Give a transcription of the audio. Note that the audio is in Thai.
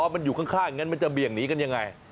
มันอยู่ข้างอย่างนั้นมันจะเบี่ยงหนีกันยังไง